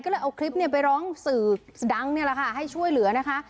ก็เลยเอาคลิปไปร้องสื่อดังนี่แหละค่ะให้ช่วยเหลือนะคะ